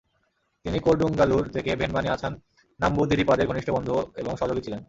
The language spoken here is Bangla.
তিনি কোডুঙ্গালুর থেকে ভেনমানি আছান নাম্বুদিরিপাদের ঘনিষ্ঠ বন্ধু এবং সহযোগী ছিলেন।